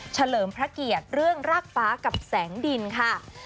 เลิมพระเกียรติเรื่องรากฟ้ากับแสงดินค่ะ